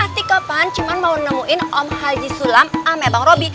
atika pan cuman mau nemuin om haji sulam ame bang robi